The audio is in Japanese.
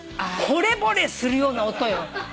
ほれぼれするような音よ。